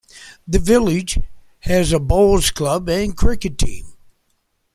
The village has a bowls club and cricket team.